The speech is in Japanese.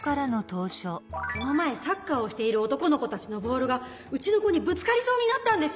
この前サッカーをしている男の子たちのボールがうちの子にぶつかりそうになったんです！